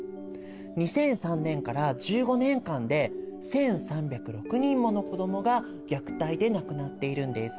２００３年から１５年間で１３０６人もの子どもが虐待で亡くなっているんです。